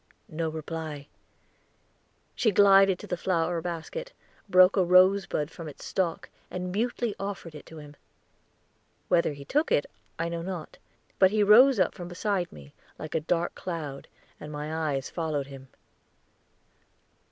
No reply. She glided to the flower basket, broke a rosebud from its stalk, and mutely offered it to him. Whether he took it, I know not; but he rose up from beside me, like a dark cloud, and my eyes followed him.